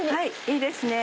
いいですね。